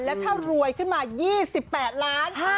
แล้วถ้ารวยขึ้นมา๒๘ล้าน